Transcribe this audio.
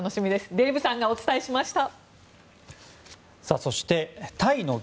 デーブさんがお伝えしました。